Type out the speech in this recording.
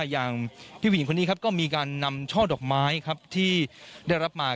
อย่างพี่ผู้หญิงคนนี้ครับก็มีการนำช่อดอกไม้ครับที่ได้รับมา